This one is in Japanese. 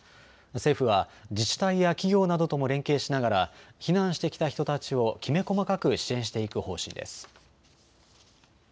政府は自治体や企業などとも連携しながら避難してきた人たちをきめ細かく支援していく方針です。